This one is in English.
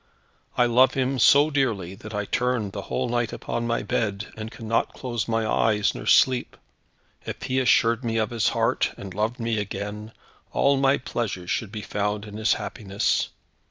I love him so dearly that I turn the whole night upon my bed, and cannot close my eyes, nor sleep. If he assured me of his heart, and loved me again, all my pleasure should be found in his happiness.